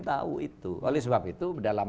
tahu itu oleh sebab itu dalam